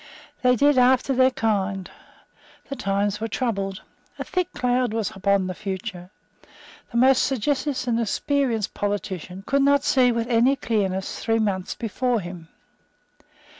They did after their kind. The times were troubled. A thick cloud was upon the future. The most sagacious and experienced politician could not see with any clearness three months before him.